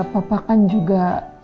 papa kan juga